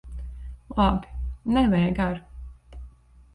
Labi! Nevajag ar'.